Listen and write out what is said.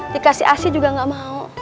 dikasih asi juga gak mau